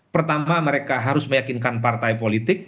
pertama mereka harus meyakinkan partai politik